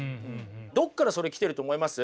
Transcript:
どこからそれ来てると思います？